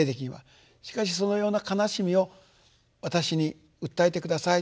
しかしそのような悲しみを私に訴えて下さいと。